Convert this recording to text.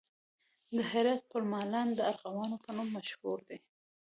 د هرات پل مالان د ارغوانو په نوم مشهور دی